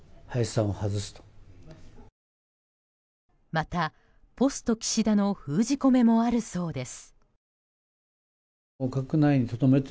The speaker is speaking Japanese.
また、ポスト岸田の封じ込めもあるそうです。